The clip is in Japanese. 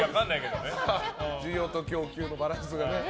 需要と供給のバランスがね。